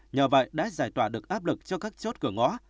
nhờ vậy đã giải tỏa được áp lực cho các chốt cửa ngõ